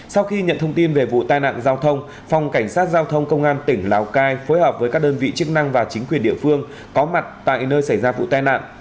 sau khi nhận thông tin về vụ tai nạn giao thông phòng cảnh sát giao thông công an tỉnh lào cai phối hợp với các đơn vị chức năng và chính quyền địa phương có mặt tại nơi xảy ra vụ tai nạn